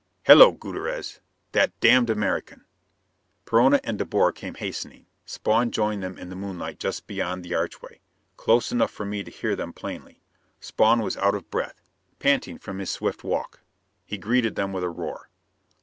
"Hello, Gutierrez. The damned American " Perona and De Boer came hastening. Spawn joined them in the moonlight just beyond the archway, close enough for me to hear them plainly. Spawn was out of breath, panting from his swift walk. He greeted them with a roar.